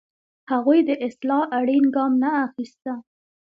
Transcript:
هغوی د اصلاح اړین ګام نه اخیسته.